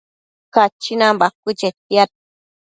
Cachinan bacuë chetiad